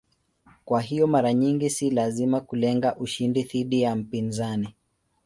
Kwa hiyo mara nyingi si lazima kulenga ushindi dhidi ya mpinzani.